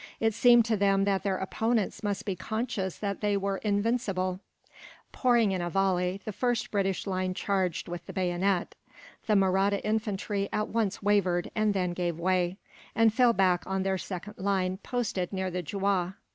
It seemed to them that their opponents must be conscious that they were invincible. Pouring in a volley, the first British line charged with the bayonet. The Mahratta infantry at once wavered, and then gave way; and fell back on their second line, posted near the Juah.